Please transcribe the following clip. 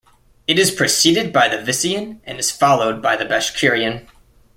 It is preceded by the Visean and is followed by the Bashkirian.